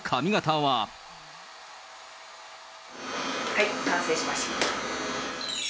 はい、完成しました。